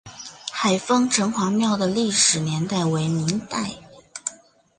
海丰城隍庙的历史年代为明代。